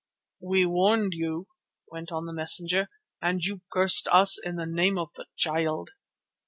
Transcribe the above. "We warned you," went on the messenger, "and you cursed us in the name of the Child."